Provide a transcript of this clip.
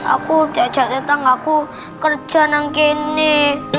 aku diajak diajak tanggaku kerja seperti ini